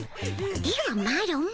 ではマロも。